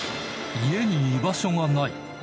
家に居場所がない。